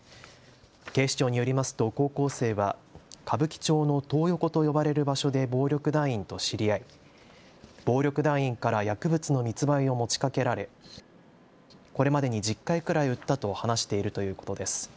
警視庁によりますと高校生は歌舞伎町のトー横と呼ばれる場所で暴力団員と知り合い暴力団員から薬物の密売を持ちかけられこれまでに１０回くらい売ったと話しているということです。